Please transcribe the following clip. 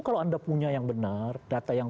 kalau anda punya yang benar data yang